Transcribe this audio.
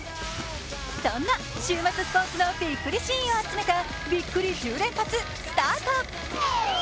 そんな週末スポーツのビックリシーンを集めたビックリ１０連発、スタート。